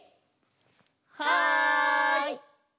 はい！